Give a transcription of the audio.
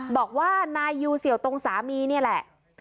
บอกว่านายยูเสี่ยวตรงสามีนี่แหละ